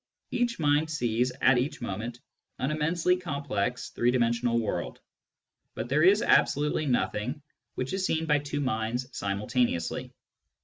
Each mind sees at each moment an immensely complex three dimensional world ; but there is absolutely nothing which is seen by two minds simultaneously.